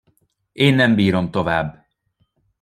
Én nem bírom tovább!